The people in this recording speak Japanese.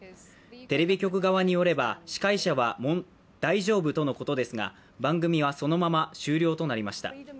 テレビ局側によれば、司会者は大丈夫とのことですが、番組はそのまま終了となりました。